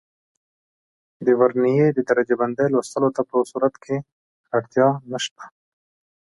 د ورنیې د درجه بندۍ لوستلو ته په دې صورت کې اړتیا نه شته.